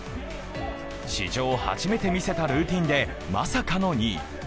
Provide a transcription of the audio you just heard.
史上初めて見せたルーチンでまさかの２位。